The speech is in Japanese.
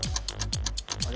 あれ？